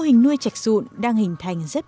hình nuôi chạch sụn đang hình thành rất